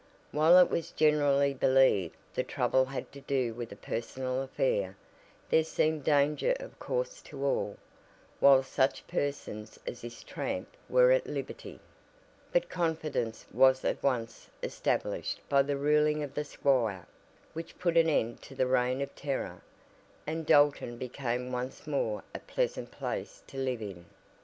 While it was generally believed the trouble had to do with a personal affair, there seemed danger of course to all, while such persons as this "tramp" were at liberty. But confidence was at once established by the ruling of the squire, which put an end to the reign of terror, and Dalton became once more a pleasant place to live in.